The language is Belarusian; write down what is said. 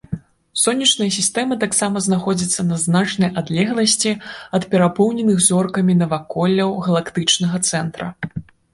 Сонечная сістэма таксама знаходзіцца на значнай адлегласці ад перапоўненых зоркамі наваколляў галактычнага цэнтра.